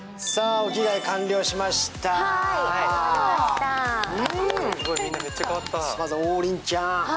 まずは王林ちゃん。